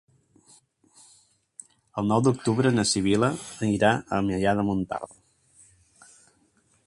El nou d'octubre na Sibil·la irà a Maià de Montcal.